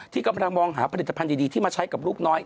กำลังมองหาผลิตภัณฑ์ดีที่มาใช้กับลูกน้อย